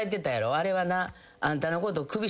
「あれはな」